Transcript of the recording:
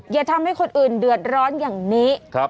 อย่าทำให้คนอื่นเดือดร้อนอย่างนี้